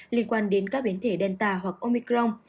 liên quan đến các biến thể delta hoặc omicron